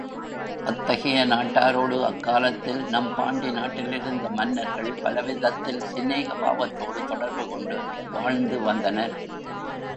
அத்தகைய நாட்டாரோடு அக்காலத்தில் நம் பாண்டி நாட்டிலிருந்த மன்னர்கள் பலவிதத்தில் சிநேக பாவத்தோடு தொடர்பு கொண்டு வாழ்ந்து வந்தனர்.